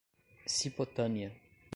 Cipotânea